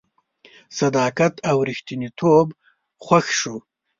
صداقت او ریښتینتوب خوښ شو.